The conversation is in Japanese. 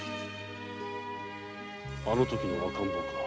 あの時の赤ん坊か。